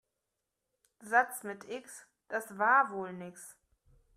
Satz mit X, das war wohl nix.